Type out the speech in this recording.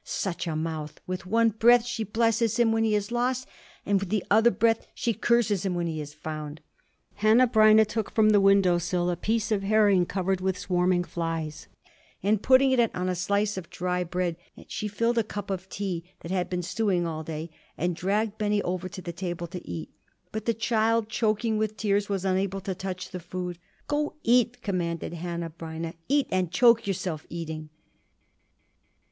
"Such a mouth! With one breath she blesses him when he is lost, and with the other breath she curses him when he is found." Hanneh Breineh took from the window sill a piece of herring covered with swarming flies, and putting it on a slice of dry bread, she filled a cup of tea that had been stewing all day, and dragged Benny over to the table to eat. But the child, choking with tears, was unable to touch the food. "Go eat!" commanded Hanneh Breineh. "Eat and choke yourself eating!"